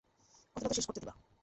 কথাটা তো শেষ করতে দিবে।